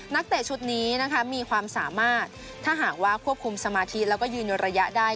เตะชุดนี้นะคะมีความสามารถถ้าหากว่าควบคุมสมาธิแล้วก็ยืนระยะได้